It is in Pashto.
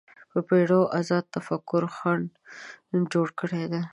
په پېړیو ازاد تفکر خنډ جوړ کړی دی